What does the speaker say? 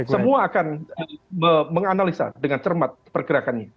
semua akan menganalisa dengan cermat pergerakannya